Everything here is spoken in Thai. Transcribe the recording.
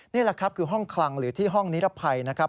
นี่แหละครับคือห้องคลังหรือที่ห้องนิรภัยนะครับ